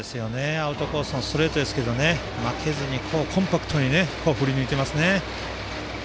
アウトコースのストレートですが負けずにコンパクトに振り抜いていますね。